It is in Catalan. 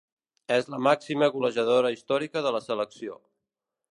És la màxima golejadora històrica de la selecció.